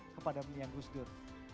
kepada milik gus dur